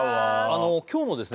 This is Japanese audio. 今日のですね